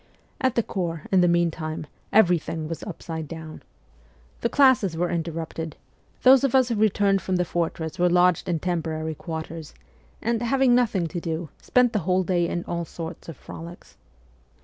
At the corps, in the meantime, everything was up side down. The classes were interrupted ; those of us who returned from the fortress were lodged in temporary quarters, and, having nothing to do, spent the whole day in all sorts of frolics.